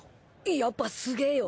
やっぱすげえよ